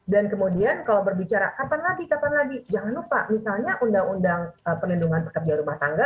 dan kemudian kalau berbicara kapan lagi kapan lagi jangan lupa misalnya undang undang pelindungan pekerja rumah tangga